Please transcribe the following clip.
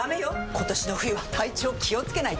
今年の冬は体調気をつけないと！